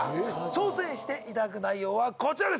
挑戦していただく内容はこちらです。